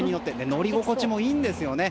乗り心地もいいんですよね。